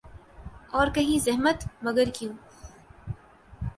اور کہیں زحمت ، مگر کیوں ۔